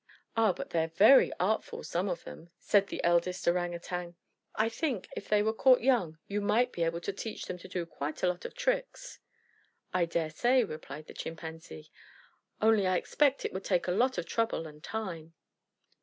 "Ah, but they're very artful, some of them," said the eldest Orang Utang. "I should think if they were caught young, you might be able to teach them to do quite a lot of tricks." "I dare say," replied the Chimpanzee. "Only I expect it would take a lot of trouble and time."